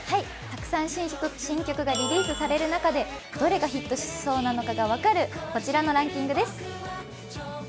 たくさん新曲がリリースされる中でどれがヒットしそうなのかが分かるこちらのランキングです。